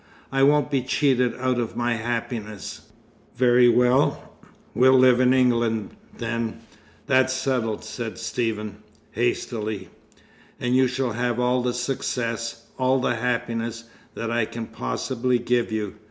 I won't be cheated out of my happiness " "Very well, we'll live in England, then. That's settled," said Stephen, hastily. "And you shall have all the success, all the happiness, that I can possibly give you.